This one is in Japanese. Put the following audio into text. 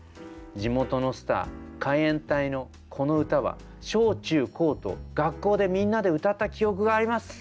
地元のスター海援隊のこの歌は小中高と学校でみんなで歌った記憶があります」。